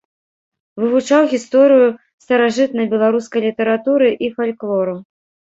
Вывучаў гісторыю старажытнай беларускай літаратуры і фальклору.